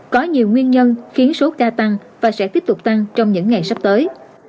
có nhiều nguyên nhân khiến số ca tăng và sẽ tiếp tục tăng trong những ngày sắp tới